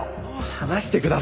離してください。